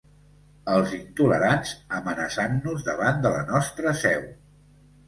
Els intolerants amenaçant-nos davant de la nostra seu.